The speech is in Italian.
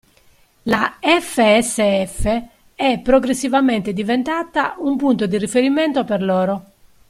La FSF è progressivamente diventata un punto di riferimento per loro.